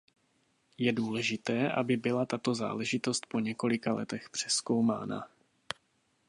Je důležité, aby byla tato záležitost po několika letech přezkoumána.